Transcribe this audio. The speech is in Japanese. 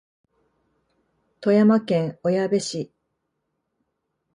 富山県小矢部市